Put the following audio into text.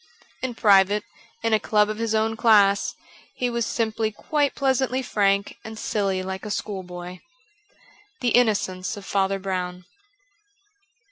In private, in a club of his own class, he was simply quite pleasantly frank and silly hke a schoolboy. * The Innocence of Father Brozvn.'